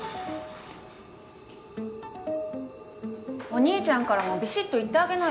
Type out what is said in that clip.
・お兄ちゃんからもびしっと言ってあげなよ。